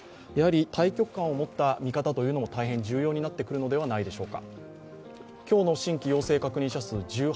大局観を持った見方というのも大変重要になってくるのではないでしょうか。